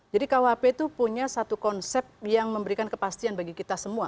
jadi kuhp itu punya satu konsep yang memberikan kepastian bagi kita semua